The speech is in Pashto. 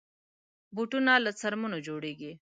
بوټونه له څرمنو جوړېږي.